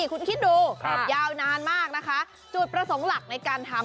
คุณคิดดูยาวนานมากนะคะจุดประสงค์หลักในการทำ